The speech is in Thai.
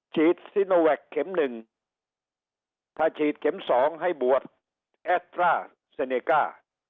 ฉีดซิโนแวคเข็มหนึ่งถ้าฉีดเข็มสองให้บวชแอดร่าเซเนก้า